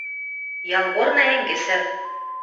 Ялгорны ӓнгӹсӹр.